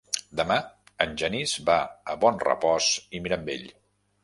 Demà en Genís va a Bonrepòs i Mirambell.